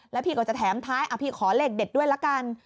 แล้วพี่ก็จะแถมท้ายพี่ขอเลขเด็ดด้วยละกัน